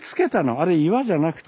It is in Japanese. あれ岩じゃなくて。